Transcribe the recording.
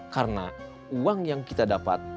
karena uang yang kita dapat